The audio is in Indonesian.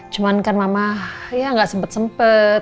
cuman kan mama ya nggak sempet sempet